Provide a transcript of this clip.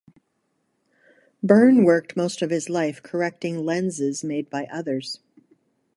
Byrne worked most of his life correcting lenses made by others.